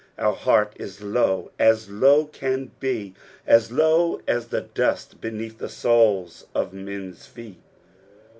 Our heart is low as low can be, as low as the dust beneath the soles of men's feet.